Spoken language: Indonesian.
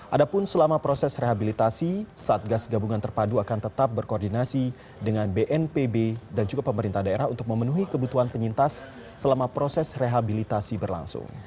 adapun selama proses rehabilitasi satgas gabungan terpadu akan tetap berkoordinasi dengan bnpb dan juga pemerintah daerah untuk memenuhi kebutuhan penyintas selama proses rehabilitasi berlangsung